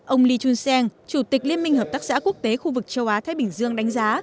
ông li chun seng chủ tịch liên minh hợp tác xã quốc tế khu vực châu á thái bình dương đánh giá